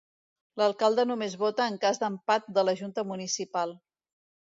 L'alcalde només vota en cas d'empat de la junta municipal.